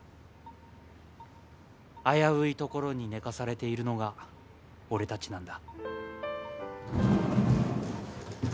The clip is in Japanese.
危ういところに寝かされているのが俺たちなんだ